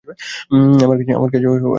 আমার কিছু লাগবে।